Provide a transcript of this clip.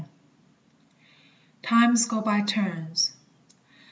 TIMES GO BY TURNS.